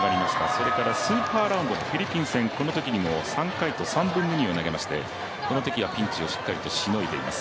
それからスーパーラウンドのフィリピン戦、このときにも３回と３分の２を投げましてこのときはしっかりとピンチをしのいでいます。